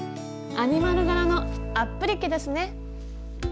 アニマル柄のアップリケですね。